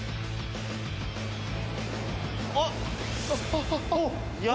あっ！